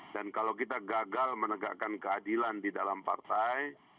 dan kalau kita gagal menegakkan keadilan di dalam partai